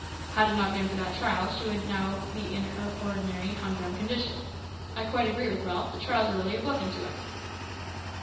Had it not been for that trial she would now have been in her ordinary humdrum condition. I quite agree with Ralph that trials are really a blessing to us."